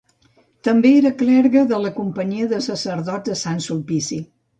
També era clergue de la Companyia dels Sacerdots de Sant Sulpici.